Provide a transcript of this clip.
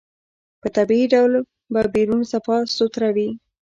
په طبيعي ډول به بيرون صفا سوتره وي.